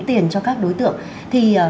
tiền cho các đối tượng thì